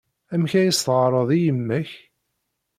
Amek ay as-teɣɣared i yemma-k?